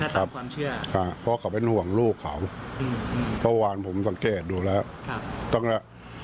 ที่เชื่อไว้อย่างงั้นครับแต่ตามความเชื่อฮะ